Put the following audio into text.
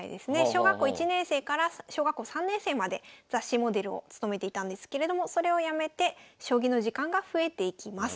小学校１年生から小学校３年生まで雑誌モデルを務めていたんですけれどもそれをやめて将棋の時間が増えていきます。